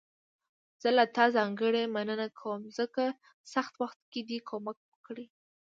زه له تا ځانګړي مننه کوم، ځکه سخت وخت کې دې کومک وکړ.